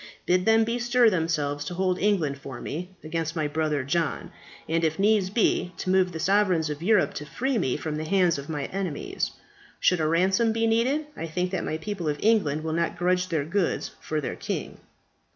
Bid them bestir themselves to hold England for me against my brother John, and, if needs be, to move the sovereigns of Europe to free me from the hands of my enemies. Should a ransom be needed, I think that my people of England will not grudge their goods for their king."